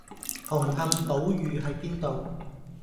紅磡寶御喺邊度？